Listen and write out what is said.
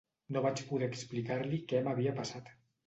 No vaig poder explicar-li què m'havia passat.